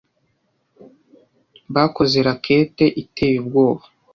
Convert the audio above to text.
Bakoze racket iteye ubwoba.